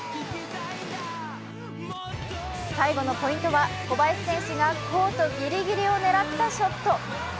最後のポイントは小林選手がコートギリギリを狙ったショット。